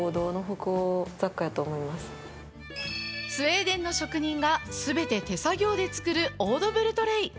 スウェーデンの職人が全て手作業で作るオードブルトレイ。